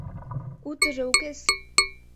Утыжо укес.